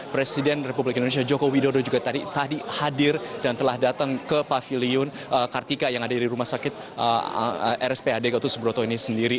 presiden republik indonesia joko widodo juga tadi hadir dan telah datang ke pavilion kartika yang ada di rumah sakit rspad gatot subroto ini sendiri